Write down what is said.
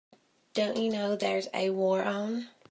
Don't you know there's a war on?